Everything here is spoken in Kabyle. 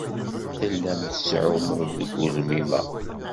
Tellam tettɛumum deg ugelmim-a.